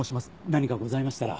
何かございましたら。